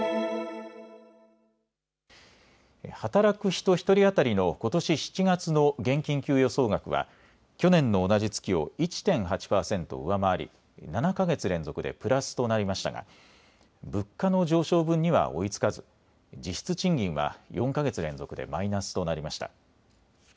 働く人１人当たりのことし７月の現金給与総額は去年の同じ月を１．８％上回り７か月連続でプラスとなりましたが、物価の上昇分には追いつかず実質賃金は４か月連続でマイナスとなりました。